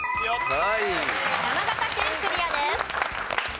山形県クリアです。